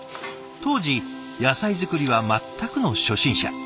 当時野菜作りは全くの初心者。